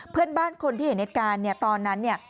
เพื่อนบ้านคนที่เห็นเหตุการณ์ตอนนั้น